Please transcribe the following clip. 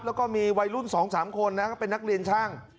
แล้วก็มีวัยรุ่นสองสามคนนะครับเป็นนักเรียนช่าง